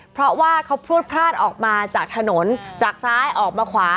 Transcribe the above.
เพราะว่าเขาพลวดพลาดออกมาจากถนนจากซ้ายออกมาขวา